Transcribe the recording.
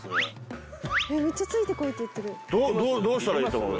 どうどうしたらいいと思う？